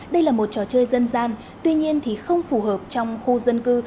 đây là một trò chơi dân gian tuy nhiên thì không phù hợp trong khu dân cư